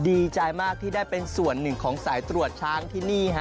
ดีใจมากที่ได้เป็นส่วนหนึ่งของสายตรวจช้างที่นี่ฮะ